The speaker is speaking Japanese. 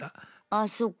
あそっか。